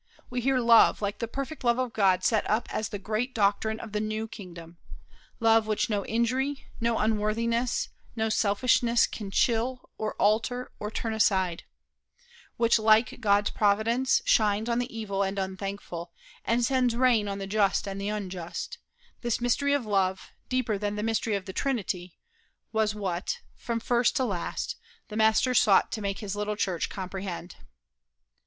We hear love like the perfect love of God set up as the great doctrine of the new kingdom love which no injury, no unworthiness, no selfishness can chill, or alter, or turn aside; which, like God's providence, shines on the evil and unthankful, and sends rain on the just and the unjust this mystery of love, deeper than the mystery of the Trinity, was what, from first to last, the Master sought to make his little church comprehend.